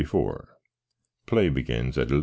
Play begins at 11.